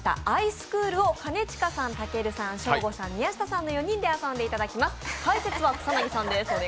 アイスクールを兼近さん、たけるさん、ショーゴさん、宮下さんの４人で遊んでいただきます。